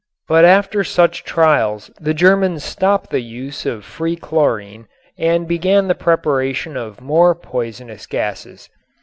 But after such trials the Germans stopped the use of free chlorine and began the preparation of more poisonous gases.